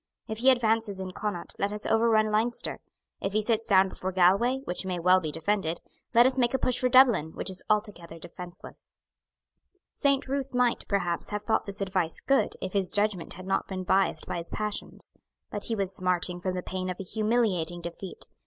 If he advances into Connaught, let us overrun Leinster. If he sits down before Galway, which may well be defended, let us make a push for Dublin, which is altogether defenceless." Saint Ruth might, perhaps, have thought this advice good, if his judgment had not been biassed by his passions. But he was smarting from the pain of a humiliating defeat.